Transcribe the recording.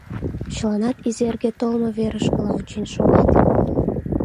Чыланат Изерге толмо верышкыла ончен шогат.